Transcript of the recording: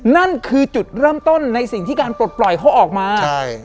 นั่นคือจุดเริ่มต้นในสิ่งที่การปลดปล่อยเขาออกมาใช่